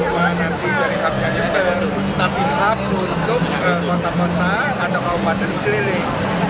jadi harganya berhutang hutang untuk kota kota atau kawasan sekeliling